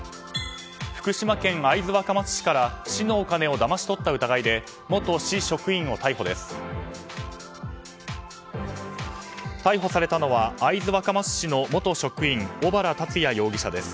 福島県会津若松市から市のお金をだまし取った疑いで元市職員を逮捕です。